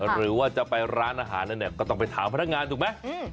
หรือว่าจะไปร้านอาหารก็ต้องไปถามพนักงานถูกไหม